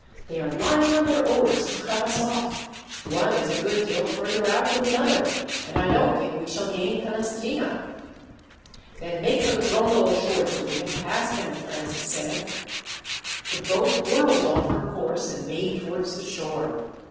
They are lying on their oars to cut us off. One is a good deal further out than the other, and I don't think we shall gain Pelestrina." "Then make for the Brondolo shore till we have passed them," Francis said. The boat whirled off her course, and made towards the shore.